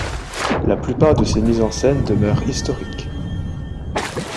La plupart de ses mises en scène demeurent historiques.